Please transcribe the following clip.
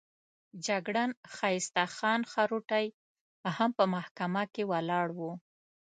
جګړن ښایسته خان خروټی هم په محکمه کې ولاړ وو.